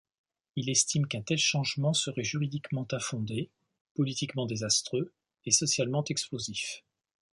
Il estime qu'un tel changement serait juridiquement infondé, politiquement désastreux et socialement explosif.